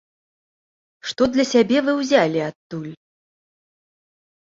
Што для сябе вы ўзялі адтуль?